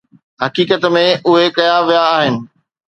حقيقت ۾ اهي ڪيا ويا آهن.